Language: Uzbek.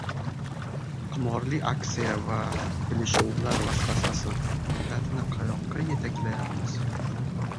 Qimorli aksiya va teleshoular vasvasasi: Millatni qayoqqa yetaklayapmiz?